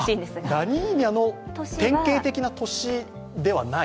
ラニーニャの典型的な年ではない？